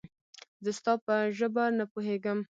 زه ستا په ژبه نه پوهېږم